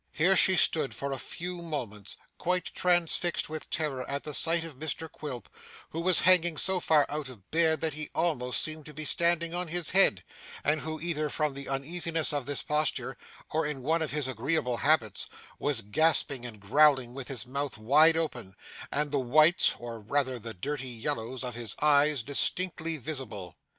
Here she stood, for a few moments, quite transfixed with terror at the sight of Mr Quilp, who was hanging so far out of bed that he almost seemed to be standing on his head, and who, either from the uneasiness of this posture, or in one of his agreeable habits, was gasping and growling with his mouth wide open, and the whites (or rather the dirty yellows) of his eyes distinctly visible.